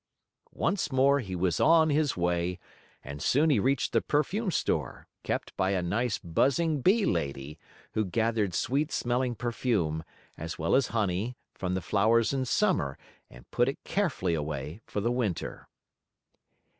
Once more he was on his way, and soon he reached the perfume store, kept by a nice buzzing bee lady, who gathered sweet smelling perfume, as well as honey, from the flowers in Summer and put it carefully away for the Winter.